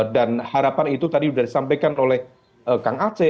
dan harapan itu tadi sudah disampaikan oleh kang aceh